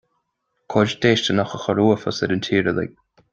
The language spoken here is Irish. Coir déistineach a chur uafás ar an tír uile